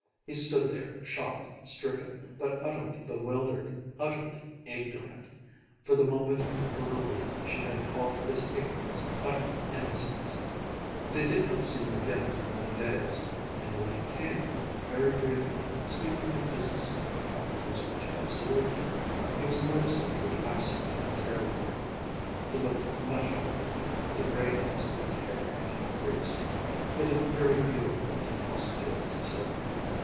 He stood there, shocked, stricken, but utterly bewildered, utterly ignorant for the moment in her relief she had called his ignorance utter innocence ... They did not see him again for many days, and when he came, very briefly, speaking of business technicalities which absorbed him, he was noticeably absent and careworn. He looked much older. The gray in his thick hair had increased. He looked very beautiful and austere to Sylvia.